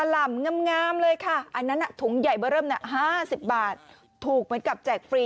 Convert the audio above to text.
หล่ำงามเลยค่ะอันนั้นถุงใหญ่เบอร์เริ่ม๕๐บาทถูกเหมือนกับแจกฟรี